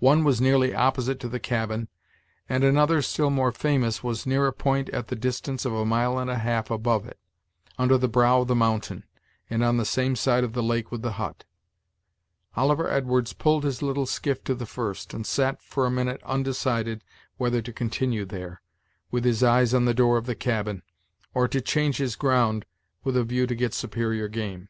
One was nearly opposite to the cabin, and another, still more famous, was near a point, at the distance of a mile and a half above it, under the brow of the mountain, and on the same side of the lake with the hut. Oliver Edwards pulled his little skiff to the first, and sat, for a minute, undecided whether to continue there, with his eyes on the door of the cabin, or to change his ground, with a view to get superior game.